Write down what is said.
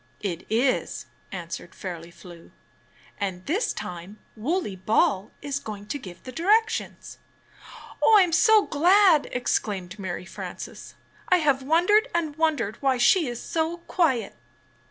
"It is," answered Fairly Flew, "and this time Wooley Ball is going to give the directions." "Oh, I am so glad!" exclaimed Mary Frances. "I have wondered and wondered why she is so quiet."